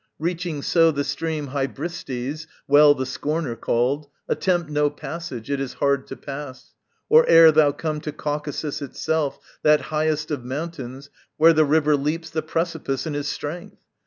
Reaching so The stream Hybristes (well the scorner called), Attempt no passage, it is hard to pass, Or ere thou come to Caucasus itself, That highest of mountains, where the river leaps The precipice in his strength.